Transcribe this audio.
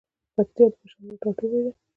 پکتيا د شملو ټاټوبی ده